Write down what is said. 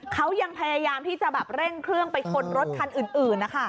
เขายังพยายามที่จะแบบเร่งเครื่องไปชนรถคันอื่นนะคะ